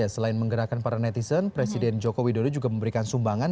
selain menggerakkan para netizen presiden joko widodo juga memberikan sumbangan